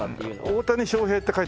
大谷翔平って書いてくれる？